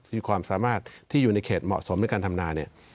มีความสามารถที่อยู่ในเขตเหมาะสมในการทำนาเนี่ย